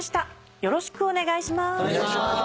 よろしくお願いします。